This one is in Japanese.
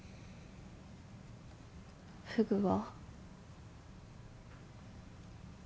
フグは？